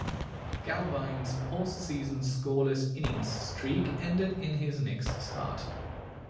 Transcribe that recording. Glavine's postseason scoreless innings streak ended in his next start.